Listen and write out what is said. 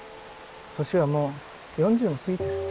年はもう４０も過ぎてる。